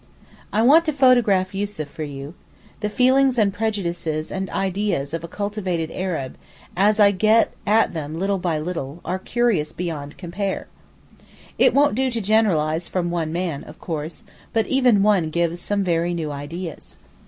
I want to photograph Yussuf for you. The feelings and prejudices and ideas of a cultivated Arab, as I get at them little by little, are curious beyond compare. It won't do to generalize from one man, of course, but even one gives some very new ideas.